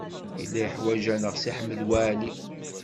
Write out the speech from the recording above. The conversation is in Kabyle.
Yella yeḥwaj-aneɣ Si Ḥmed Waɛli.